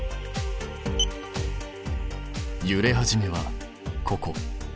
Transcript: ゆれ始めはここ。